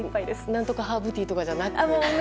何とかハーブティーとかじゃなくて？